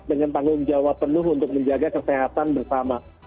dengan tanggung jawab penuh untuk menjaga kesehatan bersama